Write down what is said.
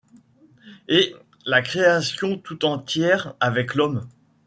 Et la création tout entière, avec l’homme